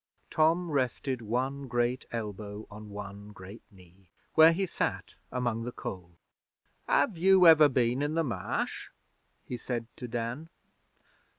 Tom rested one great elbow on one great knee, where he sat among the coal. 'Have you ever bin in the Marsh?' he said to Dan.